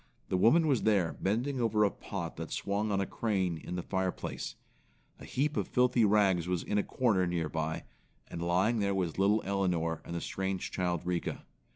The woman was there bending over a pot that swung on a crane in the fireplace. A heap of filthy rags was in a corner near by, and lying there was little Elinor and the strange child Rika.